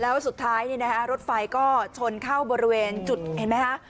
แล้วสุดท้ายรถไฟก็ชนเข้าบริเวณจุดเห็นไหมคะ